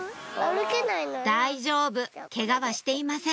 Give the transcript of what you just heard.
大丈夫ケガはしていません